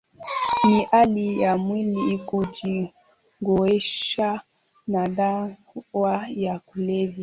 ni hali ya mwili kujizoesha na dawa ya kulevya